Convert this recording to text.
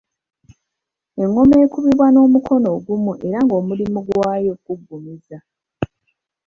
Engoma ekubibwa n’omukono ogumu era ng’omulimu gwayo kuggumiza.